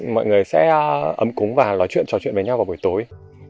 mọi người sẽ ấm cúng và nói chuyện trò chuyện với nhau vào buổi tối